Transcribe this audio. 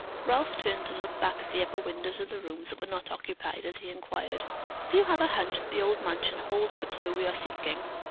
Ralph turned and looked back at the upper windows of the rooms that were not occupied, as he inquired: "Do you have a hunch that the old mansion holds the clue we are seeking?"